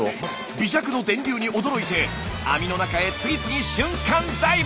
微弱の電流に驚いて網の中へ次々瞬間ダイブ！